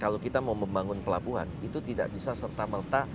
kalau kita mau membangun pelabuhan itu tidak bisa serta merta